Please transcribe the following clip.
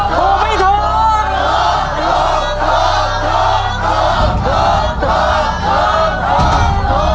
ถูกไม่ถูก